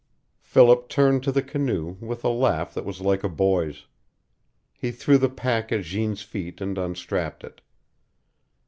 Philip turned to the canoe, with a laugh that was like a boy's. He threw the pack at Jeanne's feet and unstrapped it.